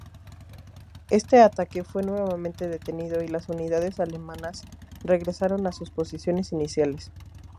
Este ataque fue nuevamente detenido y las unidades alemanas regresaron a sus posiciones iniciales.